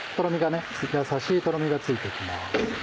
優しいとろみがついていきます。